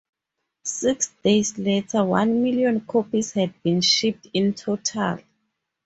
Six days later one million copies had been shipped in total.